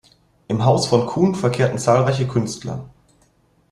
Im Haus von Kuhn verkehrten zahlreiche Künstler.